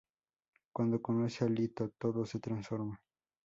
Cuando conoce a Lito, todo se transforma.